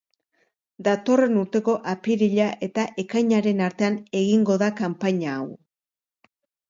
Datorren urteko apirila eta ekainaren artean egingo da kanpaina hau.